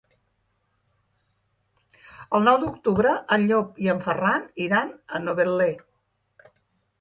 El nou d'octubre en Llop i en Ferran iran a Novetlè.